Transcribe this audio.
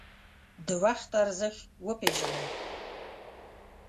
د وخت ارزښت وپیژنئ